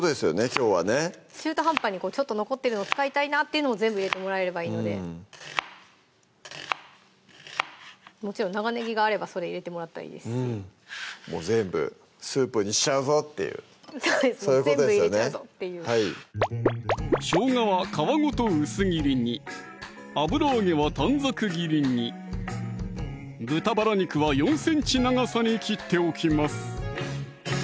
きょうはね中途半端にちょっと残ってるの使いたいなっていうのを全部入れてもらえればいいのでもちろん長ねぎがあればそれ入れてもらったらいいですしもう全部スープにしちゃうぞっていうそういうことですよね全部入れちゃうぞっていうしょうがは皮ごと薄切りに油揚げは短冊切りに豚バラ肉は４ｃｍ長さに切っておきます